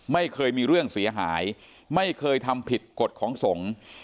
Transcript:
ไม่เคยมีเรื่องเสียหายไม่เคยทำผิดกฎของสงฆ์